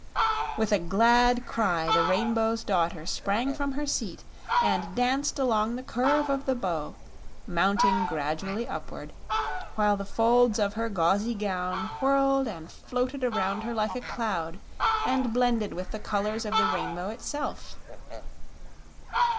With a glad cry, the Rainbow's Daughter sprang from her seat and danced along the curve of the bow, mounting gradually upward, while the folds of her gauzy gown whirled and floated around her like a cloud and blended with the colors of the rainbow itself.